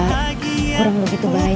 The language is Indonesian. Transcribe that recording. kurang begitu baik